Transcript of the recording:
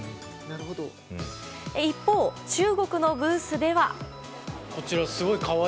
一方、中国のブースでは。